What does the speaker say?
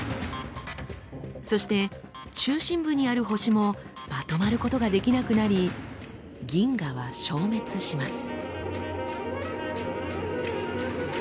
そして中心部にある星もまとまることができなくなり銀河は消滅します。